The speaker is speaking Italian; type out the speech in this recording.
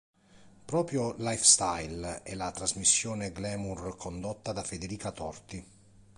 Proprio "Lifestyle" è la trasmissione glamour condotta da Federica Torti.